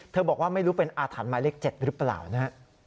บอกว่าไม่รู้เป็นอาถรรพ์หมายเลข๗หรือเปล่านะฮะ